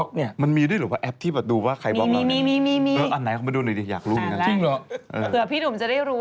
เผื่อพี่ดุ๋มจะได้รู้ว่าใครบล็อกพี่บ้างอะไรอย่างนี้ใช่ไหม